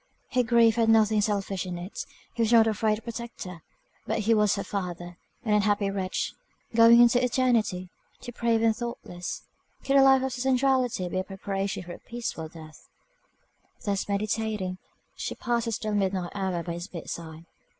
Her grief had nothing selfish in it; he was not a friend or protector; but he was her father, an unhappy wretch, going into eternity, depraved and thoughtless. Could a life of sensuality be a preparation for a peaceful death? Thus meditating, she passed the still midnight hour by his bedside.